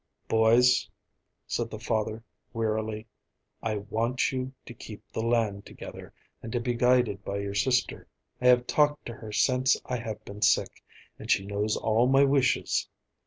"Boys," said the father wearily, "I want you to keep the land together and to be guided by your sister. I have talked to her since I have been sick, and she knows all my wishes.